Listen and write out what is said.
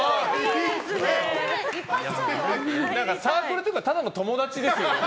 サークルっていうかただの友達ですよね？